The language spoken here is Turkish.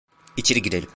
İçeri girelim.